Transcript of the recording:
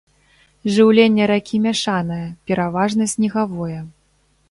Жыўленне ракі мяшанае, пераважна снегавое.